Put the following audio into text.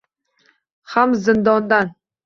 Ham zindondan